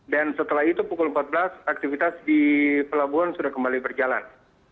dan setelah itu pukul empat belas aktivitas di pelabuhan sudah kembali berjalan